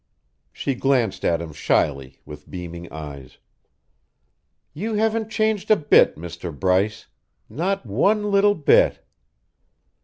She glanced at him shyly, with beaming eyes. "You haven't changed a bit, Mr. Bryce. Not one little bit!"